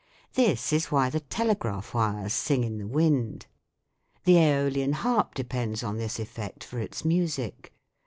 This is why the telegraph wires sing in the wind. The aeolian harp depends on this SOUNDS OF THE COUNTRY in effect for its music.